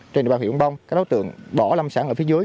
trên địa bàn huyện cờ đông bông các đối tượng bỏ lâm sản ở phía dưới